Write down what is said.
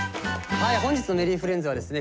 はい本日の「Ｍｅｒｒｙｆｒｉｅｎｄｓ」はですね